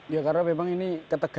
ya karena memang ini ketegangan